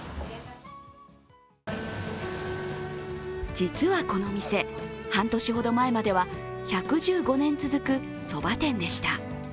実はこの店、半年ほど前までは１１５年続くそば店でした。